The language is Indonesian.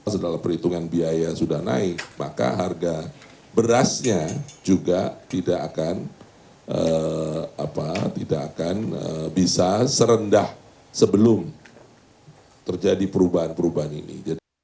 setelah perhitungan biaya sudah naik maka harga berasnya juga tidak akan bisa serendah sebelum terjadi perubahan perubahan ini